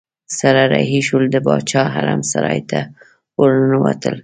سره رهي شول د باچا حرم سرای ته ورننوتل.